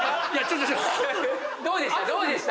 どうでした？